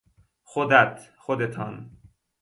خودت، خودتان